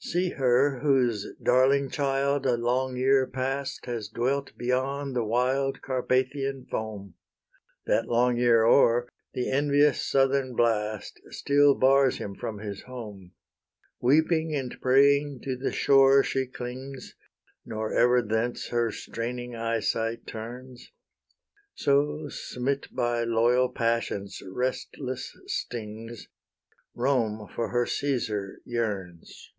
See her whose darling child a long year past Has dwelt beyond the wild Carpathian foam; That long year o'er, the envious southern blast Still bars him from his home: Weeping and praying to the shore she clings, Nor ever thence her straining eyesight turns: So, smit by loyal passion's restless stings, Rome for her Caesar yearns.